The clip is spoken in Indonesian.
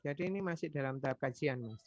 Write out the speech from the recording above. jadi ini masih dalam tahap kajian mas